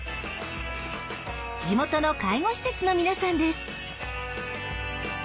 地元の介護施設の皆さんです。